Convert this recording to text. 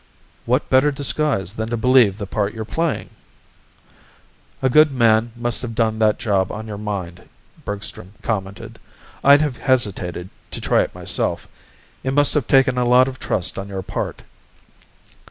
"What better disguise than to believe the part you're playing?" "A good man must have done that job on your mind," Bergstrom commented. "I'd have hesitated to try it myself. It must have taken a lot of trust on your part."